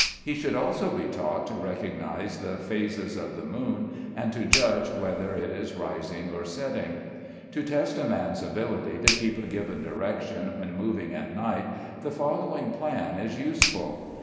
He should also be taught to recognise the phases of the moon, and to judge whether it is rising or setting. To test a man's ability to keep a given direction when moving at night, the following plan is useful.